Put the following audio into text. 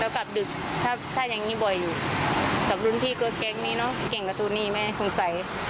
แล้วกลับดึกถ้ายังที่เราอยู่กับรุหนพี่เกิดกรุงก็แกงมีเนาะเข้าแข่งกระทูนีไม่ให้สงสัยแล้วท่าว่าถ้า